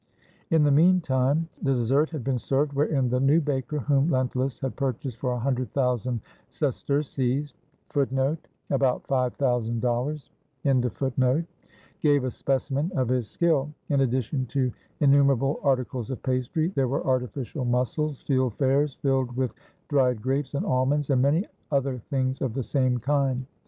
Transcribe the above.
In the mean time, the dessert had been served, wherein the new baker, whom Lentulus had purchased for a hundred thousand ses terces,^ gave a specimen of his skill. In addition to innu merable articles of pastry, there were artificial mussels, field fares filled with dried grapes and almonds, and many other things of the same kind.